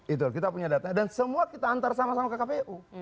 itu kita punya data dan semua kita antar sama sama ke kpu